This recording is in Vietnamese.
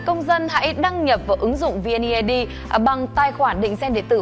công dân hãy đăng nhập vào ứng dụng vneid bằng tài khoản định danh điện tử